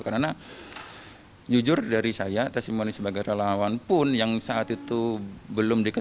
karena jujur dari saya tesimoni sebagai relawan pun yang saat itu belum dikatakan